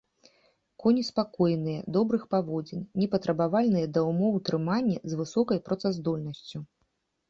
Коні спакойныя, добрых паводзін, непатрабавальныя да ўмоў утрымання, з высокай працаздольнасцю.